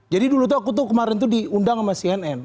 jadi dulu tuh aku tuh kemarin diundang sama cnn